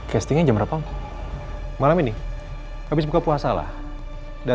yang mendengarkan saya